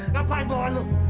ngapain bawa lu